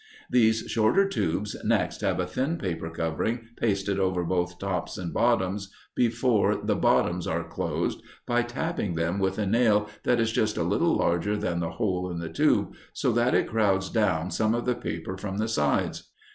These shorter tubes next have a thin paper covering pasted over both tops and bottoms before the bottoms are closed by tapping them with a nail that is just a little larger than the hole in the tube, so that it crowds down some of the paper from the sides.